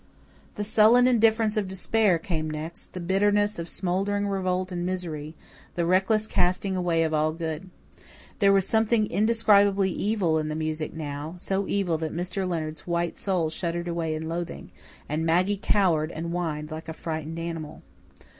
The sullen indifference of despair came next, the bitterness of smouldering revolt and misery, the reckless casting away of all good. There was something indescribably evil in the music now so evil that Mr. Leonard's white soul shuddered away in loathing, and Maggie cowered and whined like a frightened animal.